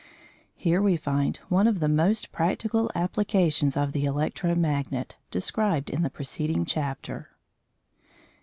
Here we find one of the practical applications of the electro magnet described in the preceding chapter.